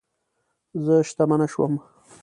زه شتمنه شوم